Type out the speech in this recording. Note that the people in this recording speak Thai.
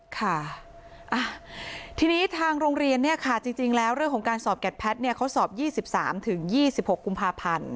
ค่ะทีนี้ทางโรงเรียนเนี่ยค่ะจริงแล้วเรื่องของการสอบแกดแพทย์เนี่ยเขาสอบ๒๓๒๖กุมภาพันธ์